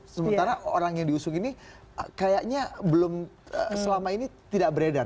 sementara orang yang diusung ini kayaknya belum selama ini tidak beredar